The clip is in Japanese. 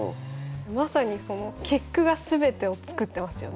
まさにその結句が全てを作ってますよね。